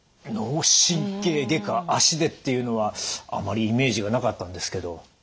脳神経外科足でっていうのはあまりイメージがなかったんですけど。